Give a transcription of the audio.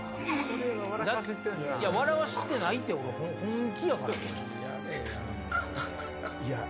笑わしてないって本気やから。